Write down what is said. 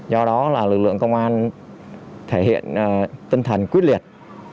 do đó là lực lượng công an thể hiện tinh thần quyết liệt